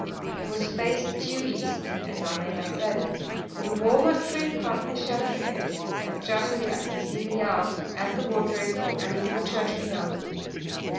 It faced due east (as I may have said), with the walnut tree partly sheltering it; and generally I could see the yard, and the woodrick, and even the church beyond.